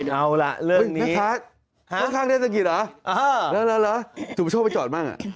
เอาล่ะเรื่องนี้ฮะฮะสุประโชคไปจอดบ้าง